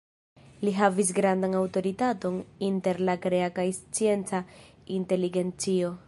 Li havis grandan aŭtoritaton inter la krea kaj scienca inteligencio.